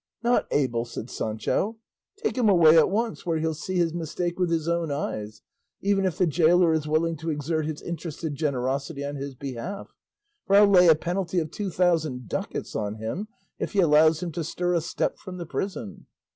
not able!" said Sancho; "take him away at once where he'll see his mistake with his own eyes, even if the gaoler is willing to exert his interested generosity on his behalf; for I'll lay a penalty of two thousand ducats on him if he allows him to stir a step from the prison."